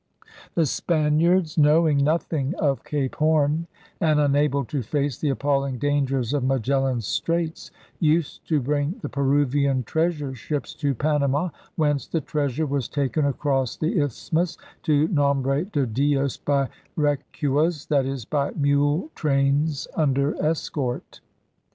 The Spaniards, 104 ELIZABETHAN SEA DOGS knowing nothing of Cape Horn, and unable to face the appalling dangers of Magellan's straits, used to bring the Peruvian treasure ships to Panama, whence the treasure was taken across the isthmus to Nombre de Dios by recuas, that is, by mule trains under escort.